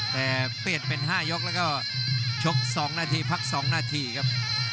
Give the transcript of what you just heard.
แต่เปลี่ยนเป็น๕ยกแล้วก็ชก๒นาทีพัก๒นาทีครับ